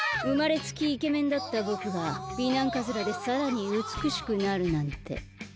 うまれつきイケメンだったぼくが美男カズラでさらにうつくしくなるなんて。